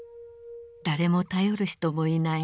誰も頼る人もいない